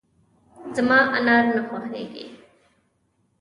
زما انار نه خوښېږي .